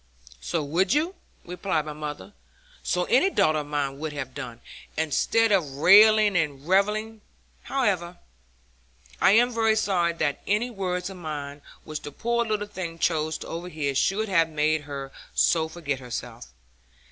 'So you would,' replied my mother; 'so any daughter of mine would have done, instead of railing and reviling. However, I am very sorry that any words of mine which the poor little thing chose to overhear should have made her so forget herself.